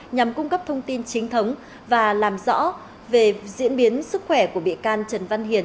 nhằm cung cấp thông tin chính thống và làm rõ về diễn biến sức khỏe của bị can trần văn hiền